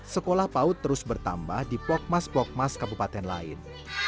sekolah paut terus bertambah di pokmas pokmas kabupaten lain